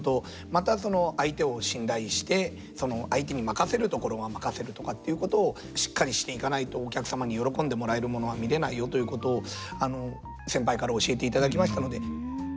またその相手を信頼してその相手に任せるところは任せるとかっていうことをしっかりしていかないとお客様に喜んでもらえるものは見れないよということを先輩から教えていただきましたので。